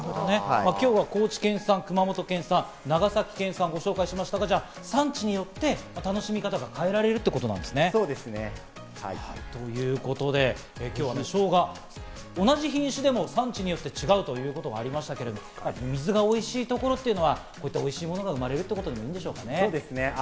今日は高知県産、熊本県産、長崎県産をご紹介しましたが、産地によって楽しみ方が変えられるってことなんですかね。ということで今日は、同じ品種でも産地によって違うということがありましたが、水がおいしいところというのは、おいしいものが生まれるってことでしょうかね？